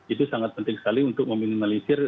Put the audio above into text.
itu sangat penting sekali untuk meminimalisir